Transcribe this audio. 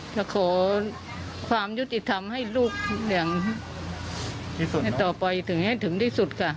จะขอความยุติธรรมให้ลูกอย่างต่อไปถึงให้ถึงที่สุดค่ะ